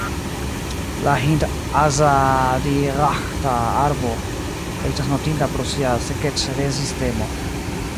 La hind-azadiraĥta arbo estas notinda pro sia sekec-rezistemo.